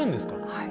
はい。